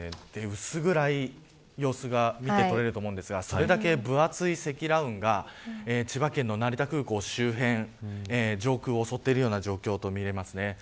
薄暗い様子が見て取れると思いますがそれだけ分厚い積乱雲が千葉県の成田空港周辺上空を襲っている状況とみられます。